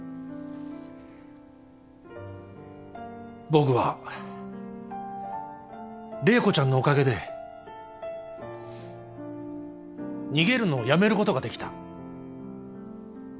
僕は麗子ちゃんのおかげで逃げるのをやめることができた。